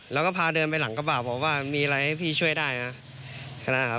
แล้วก็ผ่าเดินไปหลังกระบาดบอกว่ามีอะไรให้พี่ช่วยได้มา